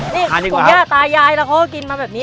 นี่ผมเนี่ยตายายแล้วเค้ากินมาแบบนี้